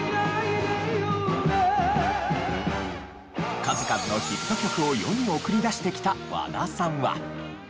数々のヒット曲を世に送り出してきた和田さんは。